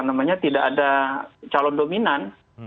namanya tidak ada calon dominan